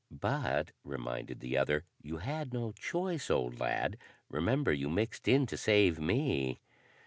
"But," reminded the other, "you had no choice, old lad. Remember, you mixed in to save me."